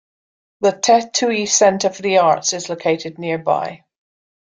The Te Tuhi Centre for the Arts is located nearby.